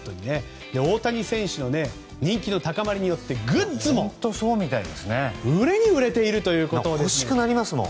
大谷選手の人気の高まりによってグッズも売れに売れているということで。